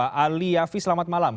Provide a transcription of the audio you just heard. mbak ali yafi selamat malam